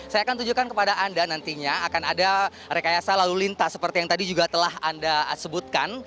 saya akan tunjukkan kepada anda nantinya akan ada rekayasa lalu lintas seperti yang tadi juga telah anda sebutkan